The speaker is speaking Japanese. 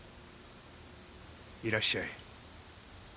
いらっしゃい。